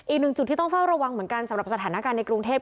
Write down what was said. อีกหนึ่งจุดที่ต้องเฝ้าระวังเหมือนกันสำหรับสถานการณ์ในกรุงเทพ